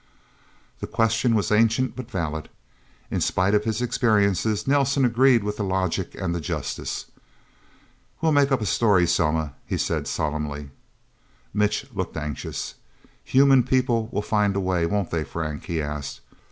The question was ancient but valid. In spite of his experiences, Nelsen agreed with the logic and the justice. "We'll make up a story, Selma," he said solemnly. Mitch looked anxious. "Human people will find a way, won't they, Frank?" he asked.